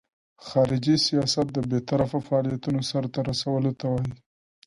خارجي سیاست د بیطرفه فعالیتونو سرته رسولو ته وایي.